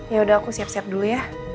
yaudah aku siap siap dulu ya